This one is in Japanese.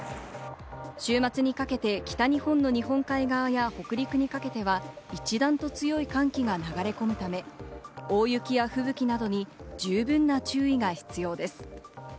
週末にかけて北日本の日本海側や北陸にかけては一段と強い寒気が流れ込むため、大雪や吹雪などに十分な注意が必要です。